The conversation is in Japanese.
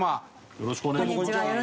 よろしくお願いします。